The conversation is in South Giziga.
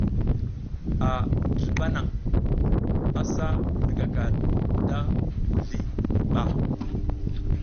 A dirba nang a sa hidkaka da mizli ɓa.